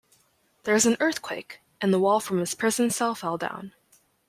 There was an earthquake and the wall from his prison cell fell down.